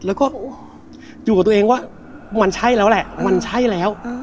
แล้วก็อยู่กับตัวเองว่ามันใช่แล้วแหละมันใช่แล้ว